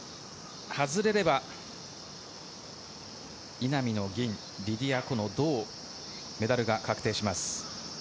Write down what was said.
外れれば稲見の銀、リディア・コの銅、メダルが確定します。